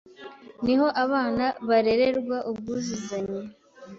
niho abana barererwa ubwuzuzanye